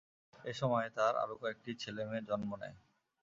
এ সময়ে তাঁর আরো কয়েকটি ছেলে-মেয়ে জন্ম নেয়।